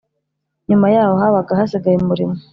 Nyuma yaho habaga hasigaye umurimo